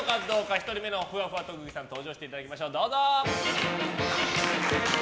１人目のふわふわ特技さん登場していただきましょう。